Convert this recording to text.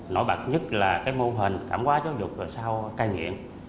nổi bạc nhất là mô hình cảm hóa giáo dục sau cai nghiện